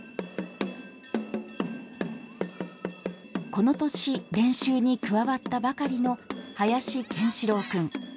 この年練習に加わったばかりの林健志郎君。